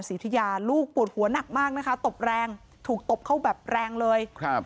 อุทิยาลูกปวดหัวหนักมากนะคะตบแรงถูกตบเข้าแบบแรงเลยครับ